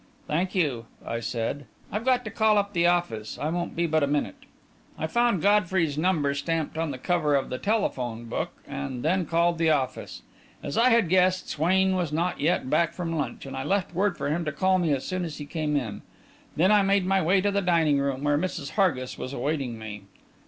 "Thank you," I said, "I've got to call up the office. I won't be but a minute." I found Godfrey's number stamped on the cover of the telephone book, and then called the office. As I had guessed, Swain was not yet back from lunch, and I left word for him to call me as soon as he came in. Then I made my way to the dining room, where Mrs. Hargis was awaiting me.